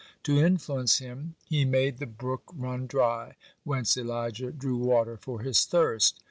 To influence him He made the brook run dry (8) whence Elijah drew water for his thirst.